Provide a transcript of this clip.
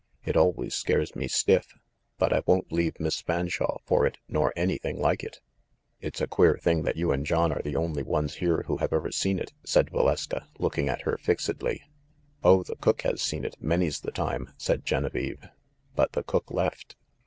It always scares me stiff ; but I won't leave Miss Fanshawe for it nor anything like it." "It's a queer thing that you and John are the only ones here who have ever seen it," said Valeska, look ing at her fixedly. "Oh, the cook has seen it, many's the time," said Genevieve. "But the cook left."